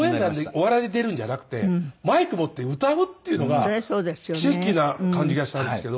お笑いで出るんじゃなくてマイク持って歌うっていうのが奇跡な感じがしたんですけど。